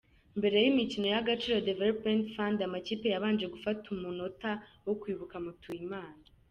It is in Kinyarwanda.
Mbere y’imikino y’Agaciro Development Fund, amakipe yabanje gufata umunota wo kwibuka Mutuyimana.